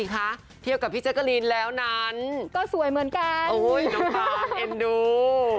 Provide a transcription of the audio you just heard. กลับไปดู